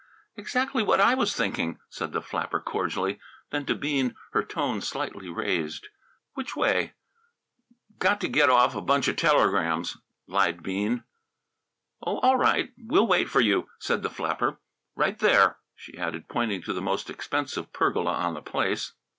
"Exactly what I was thinking!" said the flapper cordially. Then, to Bean, her tone slightly raised: "Which way?" "Got to get off a bunch of telegrams," lied Bean. "Oh, all right! We'll wait for you," said the flapper. "Right there," she added, pointing to the most expensive pergola on the place.